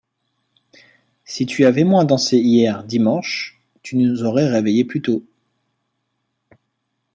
Si tu avais moins dansé hier dimanche, tu nous aurais réveillés plus tôt...